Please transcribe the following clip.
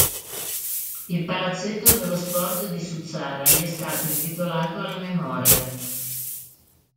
Il Palazzetto dello Sport di Suzzara gli è stato intitolato alla memoria.